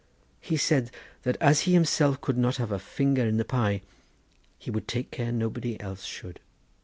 He said that as he himself could not have a finger in the pie, he would take care nobody else should.